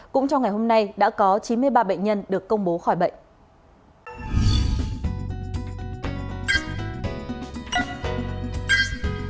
cũng trong ngày hôm nay đã có chín mươi ba bệnh nhân được công bố khỏi bệnh